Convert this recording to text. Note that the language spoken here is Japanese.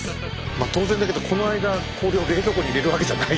まあ当然だけどこの間氷を冷凍庫に入れるわけじゃない。